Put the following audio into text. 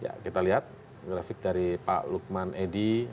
ya kita lihat grafik dari pak lukman edi